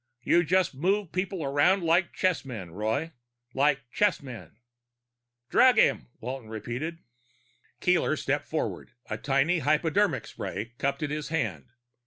"You just move people around like chessmen, Roy. Like chessmen." "Drug him," Walton repeated. Keeler stepped forward, a tiny hypodermic spray cupped in his hand.